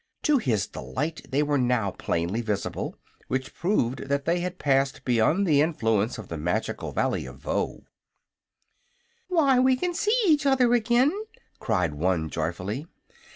To his delight they were now plainly visible, which proved that they had passed beyond the influence of the magical Valley of Voe. "Why, we can see each other again!" cried one, joyfully.